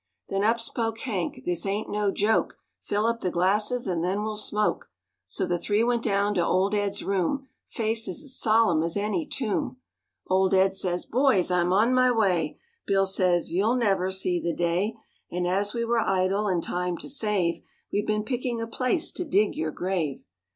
Then up spoke Hank, "This ain't no joke, Fill up the glasses and then we'll smoke." So the three went down to Old Ed's room, Faces as solemn as any tomb. Old Ed says, "Boys, I'm on my way!" Bill says, "You'll never see the day, And as we were idle, and time to save, We've been picking a place to dig your grave.